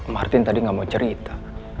martin tadi gak mau cerita